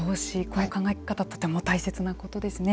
こういう考え方はとても大切なことですね。